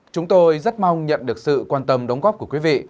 chúng tôi rất mong nhận được sự quan tâm đóng góp của quý vị